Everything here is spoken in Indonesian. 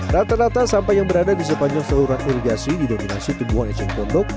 rata rata sampah yang berada di sepanjang saluran irigasi di dominasi tumbuhan eceng gondok